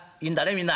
みんな。